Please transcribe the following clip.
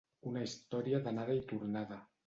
Una història d’anada i tornada.